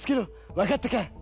わかったか？